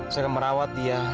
saya akan merawat dia